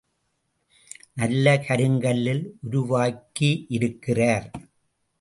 நல்ல கருங்கல்லில் உருவாகியிருக்கிறார்.